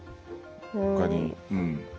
ほかに。